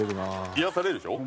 癒やされるでしょ？